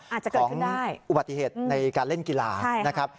อาจจะเกิดขึ้นได้ของอุบัติเหตุในการเล่นกีฬา